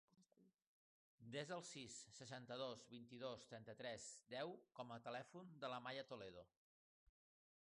Desa el sis, seixanta-dos, vint-i-dos, trenta-tres, deu com a telèfon de la Maya Toledo.